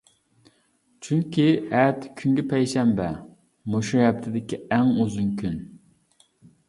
چۈنكى ئەتە كۈنگە پەيشەنبە، مۇشۇ ھەپتىدىكى ئەڭ ئۇزۇن كۈن.